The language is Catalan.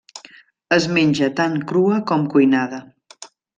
Es menja tant crua com cuinada.